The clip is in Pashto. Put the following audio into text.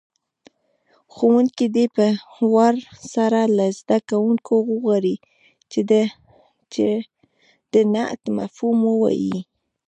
ښوونکی دې په وار سره له زده کوونکو وغواړي چې د نعت مفهوم ووایي.